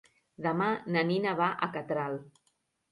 Demà na Nina va a Catral.